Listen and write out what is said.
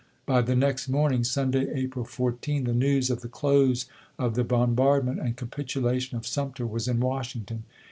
By the next morning (Sunday, April 14) the news of the close of the bombardment and capitulation of Sumter was in Washington.